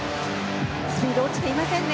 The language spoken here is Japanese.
スピード落ちていませんね。